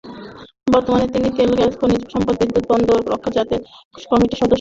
বর্তমানে তিনি "তেল-গ্যাস-খনিজ সম্পদ ও বিদ্যুৎ-বন্দর রক্ষা জাতীয় কমিটির" সদস্য সচিব।